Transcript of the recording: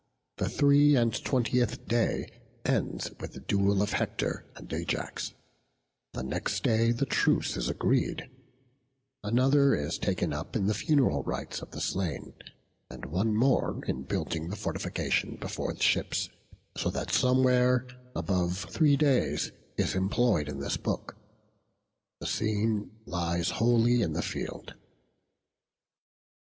The three and twentieth day ends with the duel of Hector and Ajax; the next day the truce is agreed: another is taken up in the funeral rites of the slain; and one more in building the fortification before the ships; so that somewhat above three days is employed in this book. The scene lies wholly in the field.